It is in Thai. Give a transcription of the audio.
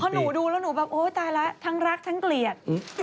หนูดูแล้วหนูแบบโอ๊ยตายแล้วทั้งรักทั้งเกลียด